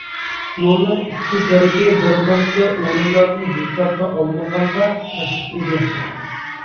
يولنىڭ ئىككى تەرىپى بىرقانچە ئورۇنلارنى ھېسابقا ئالمىغاندا تاشلىق ئىدى.